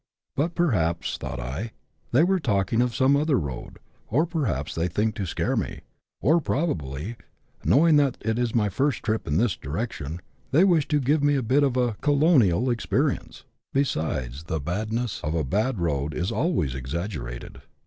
But perhaps, thought I, they were talking of some other road, or perhaps they think to scare me ; or, probably, knowing that it is my first trip in this direction, they wish to give me a little " colonial experience ;" besides, the badness of a bad road is always exaggerated.